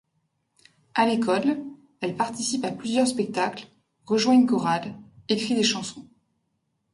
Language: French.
À l'école, elle participe à plusieurs spectacles, rejoint une chorale, écrit des chansons.